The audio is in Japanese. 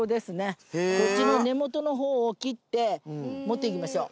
こっちの根元の方を切って持っていきましょう。